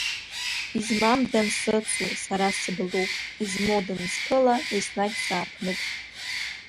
Измам дансыцу, сара сыблуп, измоу дансԥыла, еснагь сааԥнуп…